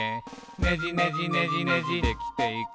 「ねじねじねじねじできていく」